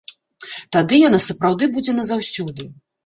Тады яна сапраўды будзе назаўсёды.